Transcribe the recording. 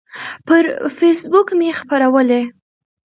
پر فیسبوک مې خپرولی